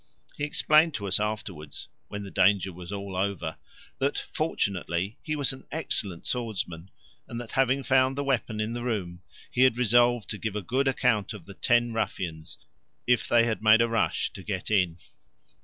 He explained to us afterwards, when the danger was all over, that fortunately he was an excellent swordsman, and that having found the weapon in the room, he had resolved to give a good account of the ten ruffians if they had made a rush to get in.